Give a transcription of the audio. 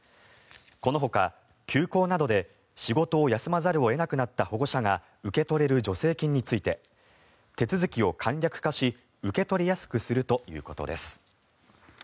このほか、休校などで仕事を休まざるを得なくなった保護者が受け取れる助成金について手続きを簡略化し受け取りやすくするということです。